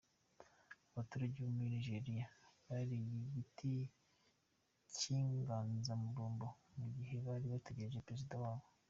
Abaturage bo muri Nigeria buriye igiti cy’inganzamarumbo mu gihe bari bategereje Perezida wabo .